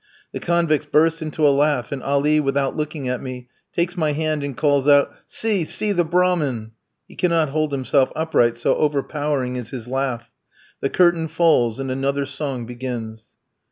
The convicts burst into a laugh, and Ali, without looking at me, takes my hand, and calls out, "See, see the Brahmin!" He cannot hold himself upright, so overpowering is his laugh. The curtain falls, and another song begins.